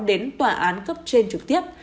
đến tòa án cấp trên trực tiếp